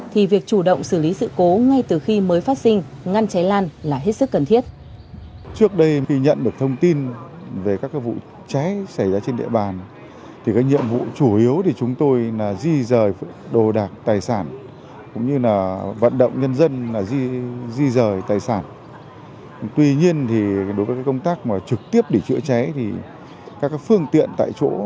thì việc chủ động xử lý sự cố ngay từ khi mới phát sinh ngăn cháy lan là hết sức cần thiết